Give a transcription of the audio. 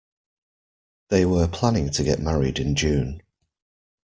They were planning to get married in June.